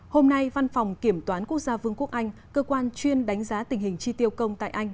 hôm nay văn phòng kiểm toán quốc gia vương quốc anh cơ quan chuyên đánh giá tình hình chi tiêu công tại anh